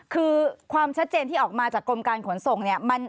คือความชัดเจนที่ออกมาจากกรมการขนส่งเนี่ย